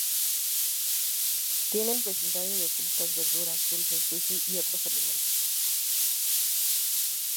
Tiene el vecindario de frutas, verduras, dulces, sushi y otros alimentos.